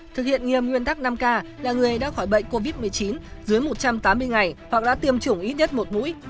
thực hiện nghiêm nguyên tắc năm k là người đã khỏi bệnh covid một mươi chín dưới một trăm tám mươi ngày hoặc đã tiêm chủng ít nhất một mũi